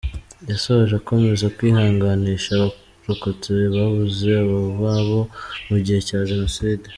Yashoje akomeza kwihanganisha abarokotse babuze abababo mu gihe cya Jenoside.